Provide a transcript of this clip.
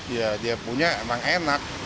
ya dia punya emang enak